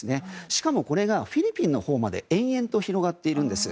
しかもこれがフィリピンのほうまで延々と広がっているんです。